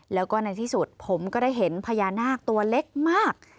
แล้วก็ในที่สุดผมก็ได้เห็นพญานาคตัวเล็กมาก